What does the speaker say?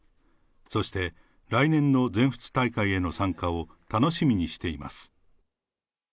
そして、来年の全仏大会への参加を楽しみにしています。